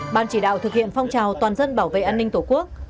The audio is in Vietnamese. ban chỉ đạo thực hiện phong trào toàn dân bảo vệ an ninh tổ quốc